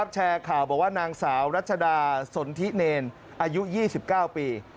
แชร์ข่าวบอกว่านางสาวรัชดาสนทิเนรอายุ๒๙ปี